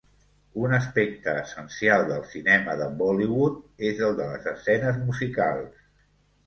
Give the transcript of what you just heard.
Un aspecte essencial del cinema de Bollywood és el de les escenes musicals.